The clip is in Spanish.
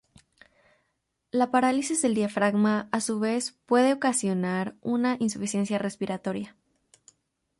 La parálisis del diafragma a su vez puede ocasionar una insuficiencia respiratoria.